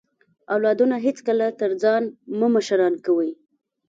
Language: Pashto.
اولادونه هیڅکله تر ځان مه مشران کوئ